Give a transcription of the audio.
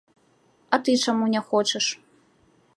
А ты чаму не хочаш?